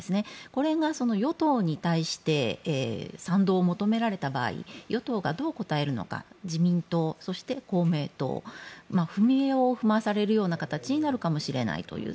これが与党に対して賛同を求められた場合与党がどう応えるのか自民党、そして公明党踏み絵を踏まされるような形になるかもしれないという